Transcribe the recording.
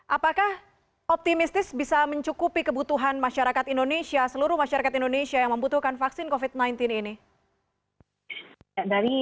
apakah optimistis bisa mencukupi kebutuhan masyarakat indonesia seluruh masyarakat indonesia yang membutuhkan vaksin covid sembilan belas ini